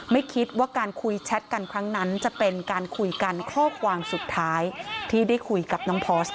ไม่คิดว่าการคุยแชทกันครั้งนั้นจะเป็นการคุยกันข้อความสุดท้ายที่ได้คุยกับน้องพอร์สค่ะ